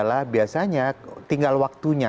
masalah biasanya tinggal waktunya